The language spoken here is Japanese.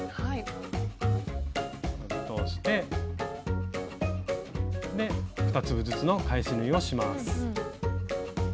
通してで２粒ずつの返し縫いをします。